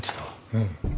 うん。